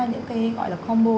những cái gọi là combo